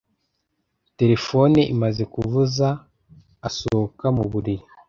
Terefone imaze kuvuza asohoka mu buriri